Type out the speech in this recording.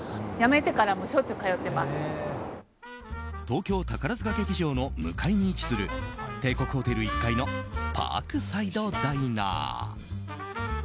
東京宝塚劇場の向かいに位置する帝国ホテル１階のパークサイドダイナー。